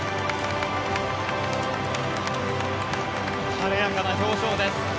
晴れやかな表情です。